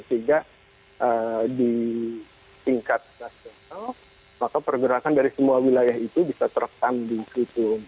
sehingga di tingkat nasional maka pergerakan dari semua wilayah itu bisa terekam di situ